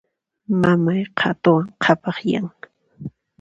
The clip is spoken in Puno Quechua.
Mamay qhatuwan qhapaqyan.